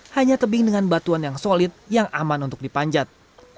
hanya tebing dengan batuan yang solid yang aman untuk dipanjat